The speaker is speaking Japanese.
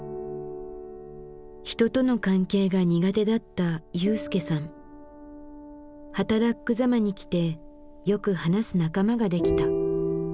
人との関係が苦手だった雄介さん。はたらっく・ざまに来てよく話す仲間ができた。